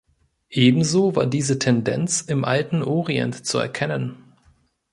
Ebenso war diese Tendenz im Alten Orient zu erkennen.